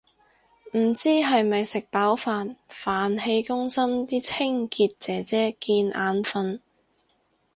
唔知係咪食飽飯，飯氣攻心啲清潔姐姐見眼訓